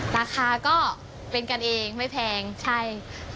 ราคาก็เป็นกันเองไม่แพงใช่